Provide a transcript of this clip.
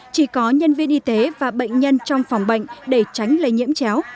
chỉ có nhân viên y tế và bệnh nhân trong phòng bệnh để tránh lây nhiễm chéo